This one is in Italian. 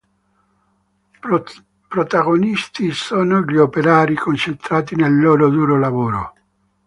Protagonisti sono gli operai, concentrati nel loro duro lavoro.